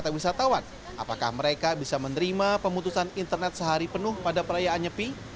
wisatawan apakah mereka bisa menerima pemutusan internet sehari penuh pada perayaan nyepi